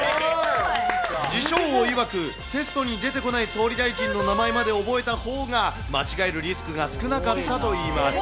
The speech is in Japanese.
自称王いわく、テストに出てこない総理大臣の名前まで覚えたほうが、間違えるリスクが少なかったといいます。